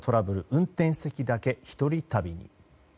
運転席だけ、１人旅。